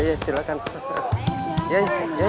ya ya silahkan